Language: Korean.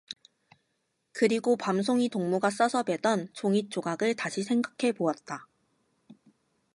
그리고 밤송이 동무가 써서 뵈던 종잇조각을 다시 생각해 보았다.